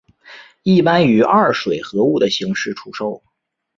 一般以二水合物的形式出售。